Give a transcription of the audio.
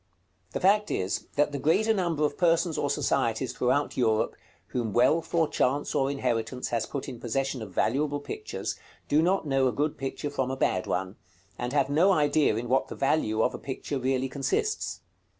The fact is, that the greater number of persons or societies throughout Europe, whom wealth, or chance, or inheritance has put in possession of valuable pictures, do not know a good picture from a bad one, and have no idea in what the value of a picture really consists.